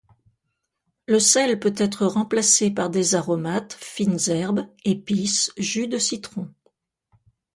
Le sel peut être remplacé par des aromates, fines herbes, épices, jus de citron.